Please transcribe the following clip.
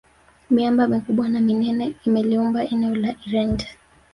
miamba mikubwa na minene imeliumba eneo la irente